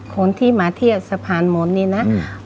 คนที่มาเที่ยวสะพานมนต์นี่นะ